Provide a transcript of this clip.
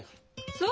そう。